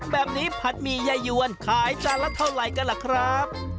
แบบนี้ผัดหมี่ยายวนขายจานละเท่าไหร่กันล่ะครับ